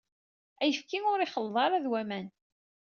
Ayefki ur ixelleḍ ara d waman.